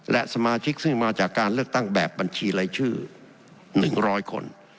และสมาชิกซึ่งมาจากการเลือกตั้งแบบบัญชีรายชื่อ๑๐๐คน